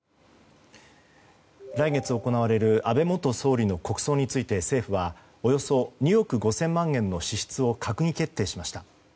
来月行われる安倍元総理の国葬について政府はおよそ２億５０００万円の支出を閣議決定しました。